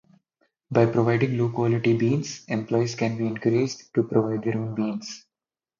By providing low quality beans, employees can be encouraged to provide their own beans.